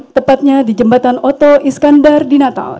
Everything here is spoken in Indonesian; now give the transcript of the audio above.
tepatnya di jembatan oto iskandar di natal